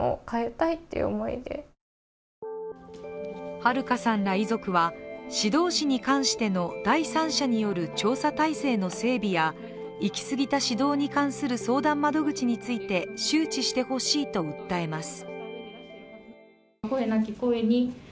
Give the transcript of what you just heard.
はるかさんら遺族は指導死に関しての第三者による調査体制の整備や、行き過ぎた指導に関する相談窓口について周知してほしいと訴えます。